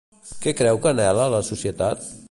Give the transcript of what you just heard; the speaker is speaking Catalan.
Què creu que anhela la societat?